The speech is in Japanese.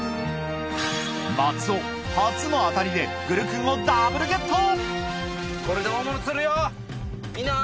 松尾初のアタリでグルクンをダブルゲット！